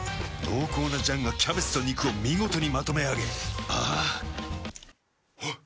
濃厚な醤がキャベツと肉を見事にまとめあげあぁあっ。